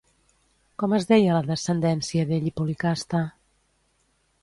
Com es deia la descendència d'ell i Policasta?